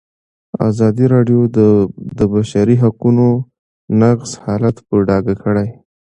ازادي راډیو د د بشري حقونو نقض حالت په ډاګه کړی.